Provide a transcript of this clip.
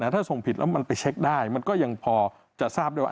ถ้าส่งผิดแล้วมันไปเช็คได้มันก็ยังพอจะทราบได้ว่า